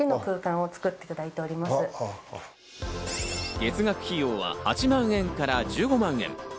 月額費用は８万円から１５万円。